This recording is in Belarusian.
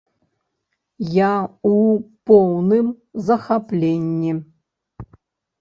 Я у поўным захапленні.